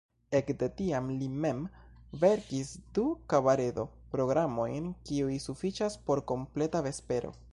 Ekde tiam li mem verkis du kabaredo-programojn kiuj sufiĉas por kompleta vespero.